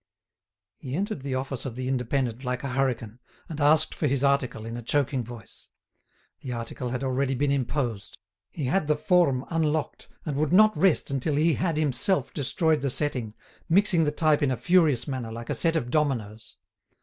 He entered the office of the "Indépendant" like a hurricane, and asked for his article in a choking voice. The article had already been imposed. He had the forme unlocked and would not rest until he had himself destroyed the setting, mixing the type in a furious manner, like a set of dominoes.